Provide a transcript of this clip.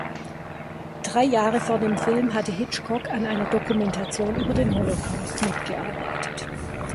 Drei Jahre vor dem Film hatte Hitchcock an einer Dokumentation über den Holocaust mitgearbeitet.